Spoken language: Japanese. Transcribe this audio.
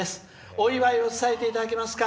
お祝いを伝えていただけますか。